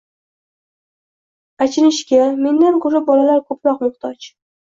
Achinishga mendan ko'ra bolalar ko'proq muhtoj.